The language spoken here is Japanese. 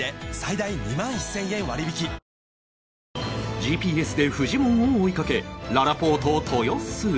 ＧＰＳ でフジモンを追いかけららぽーと豊洲へ